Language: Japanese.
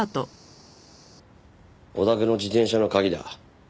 お宅の自転車の鍵だ。